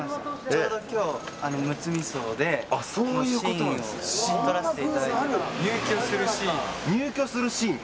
ちょうど今日あのむつみ荘であっそういうことなのシーンを撮らせていただいてて入居するシーン？